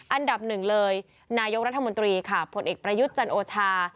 อันดับหนึ่งเลยนายกรัฐมนตรีค่ะผลเอกประยุทธ์จันโอชา